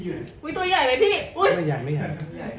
ไม่ใหญ่ไม่ใหญ่